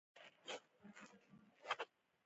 پوی شوم چې ځینې پښتانه لوی ټرکونه چلوي.